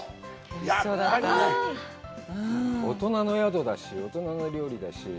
やっぱり、大人の宿だし、大人の料理だし。